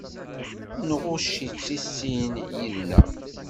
Nɣucc-itt i sin yid-nneɣ.